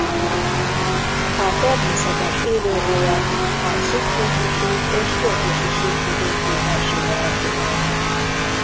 A természetes élőhelye a szubtrópusi és trópusi síkvidéki esőerdők.